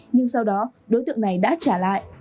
nhưng sau đó đối tượng này đã trả lại